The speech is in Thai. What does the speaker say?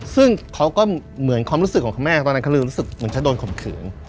ซึ่งเขาก็เหมือนความรู้สึกของคุณแม่ตอนนั้นเขาลืมรู้สึกเหมือนจะโดนข่มขืน